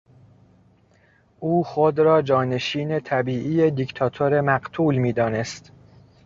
او خود را جانشین طبیعی دیکتاتور مقتول میدانست.